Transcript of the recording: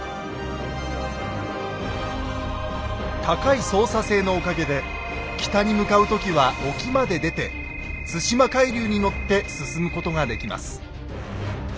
高い操作性のおかげで北に向かう時は沖まで出て対馬海流に乗って進むことができます。